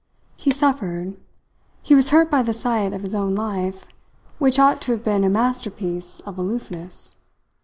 He suffered. He was hurt by the sight of his own life, which ought to have been a masterpiece of aloofness.